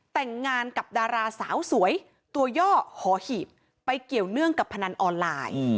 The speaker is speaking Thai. แต่งงานกับดาราสาวสวยตัวย่อหอหีบไปเกี่ยวเนื่องกับพนันออนไลน์